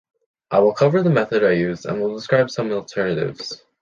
I will cover the method I use and will describe some alternatives.